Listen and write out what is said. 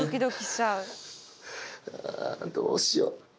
あぁどうしよう。